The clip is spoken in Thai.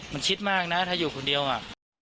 มันชิดมากนะถ้าอยู่คนเดียวอ่ะ